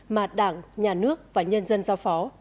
mà đảng nhà nước và nhân dân giao phó